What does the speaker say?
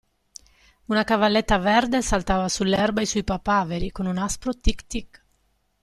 Una cavalletta verde saltava sull'erba e sui papaveri con un aspro tic-tic.